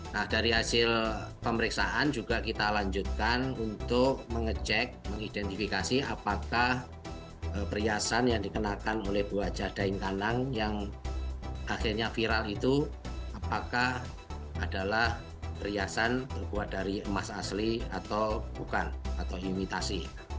nah dari hasil pemeriksaan juga kita lanjutkan untuk mengecek mengidentifikasi apakah perhiasan yang dikenakan oleh bu haja zain kanang yang akhirnya viral itu apakah adalah perhiasan berbuat dari emas asli atau bukan atau imitasi